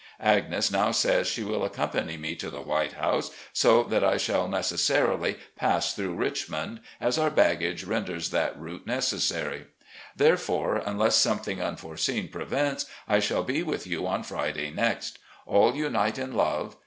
Agnes now says she will accompany me to the ' White House,' so that I shall necessarily pass through Richmond, as our baggage renders that route necessary. Therefore, tmless something unforeseen prevents, I shall be with you on Friday next. All unite in love.